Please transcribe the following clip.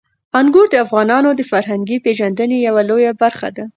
انګور د افغانانو د فرهنګي پیژندنې یوه لویه برخه ده.